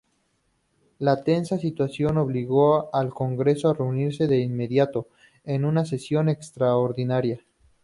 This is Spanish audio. La tensa situación obligó al Congreso a reunirse de inmediato en una sesión extraordinaria.